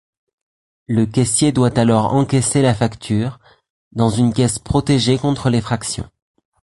Le caissier doit alors encaisser la facture, dans une caisse protégée contre l'effraction.